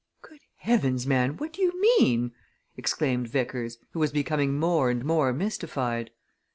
"Good heavens, man, what do you mean?" exclaimed Vickers, who was becoming more and more mystified.